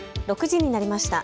６時になりました。